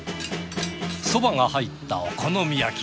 そばが入ったお好み焼き。